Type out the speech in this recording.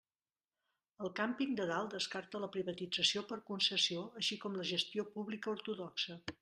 El Càmping de Dalt descarta la privatització per concessió així com la gestió pública ortodoxa.